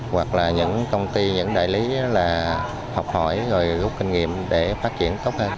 hoặc là những công ty những đại lý là học hỏi rồi rút kinh nghiệm để phát triển tốt hơn